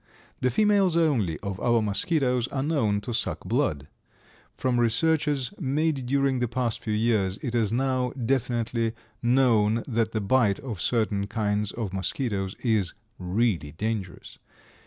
The females only of our mosquitoes are known to suck blood. From researches made during the past few years it is now definitely known that the bite of certain kinds of mosquitoes is really dangerous.